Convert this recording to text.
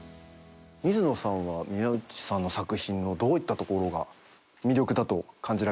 水野さんは宮内さんの作品のどういったところが魅力だと感じられてますか？